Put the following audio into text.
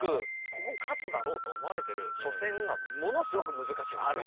ここ、勝つだろうと思う初戦がものすごく難しいんですよね。